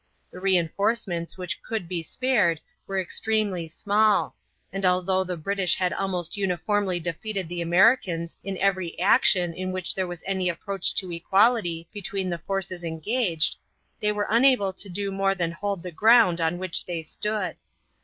The re enforcements which could be spared were extremely small, and although the British had almost uniformly defeated the Americans in every action in which there was any approach to equality between the forces engaged, they were unable to do more than hold the ground on which they stood.